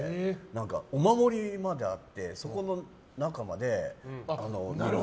お守りまであってそこの中まで。